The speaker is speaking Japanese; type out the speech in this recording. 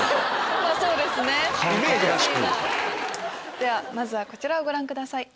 ではまずはこちらをご覧ください。